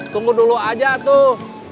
tunggu dulu aja tuh